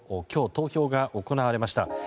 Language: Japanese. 今日投票が行われました。